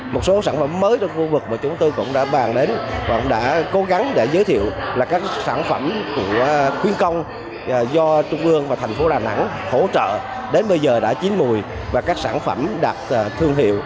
hỗ trợ đến bây giờ đã chín mùi và các sản phẩm đạt thương hiệu thành phố và những sản phẩm ô cốt